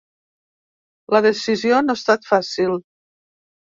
La decisió no ha estat fàcil.